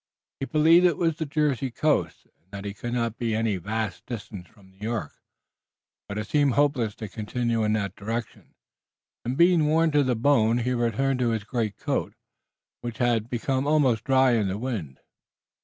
He believed it was the Jersey coast, and that he could not be any vast distance from New York. But it seemed hopeless to continue in that direction and being worn to the bone he returned to his greatcoat, which had become almost dry in the wind.